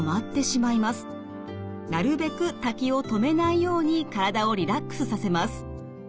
なるべく滝を止めないように体をリラックスさせます。